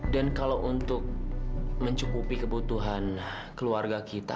dan kalau untuk mencukupi kebutuhan keluarga kita